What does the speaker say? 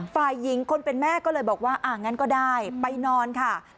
ฝ่ายหญิงคนเป็นแม่ก็เลยบอกว่าอ่างั้นก็ได้ไปนอนค่ะ